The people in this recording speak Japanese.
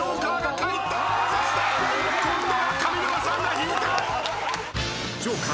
そして今度は上沼さんが引いた！